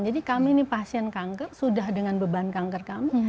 jadi kami ini pasien kanker sudah dengan beban kanker kami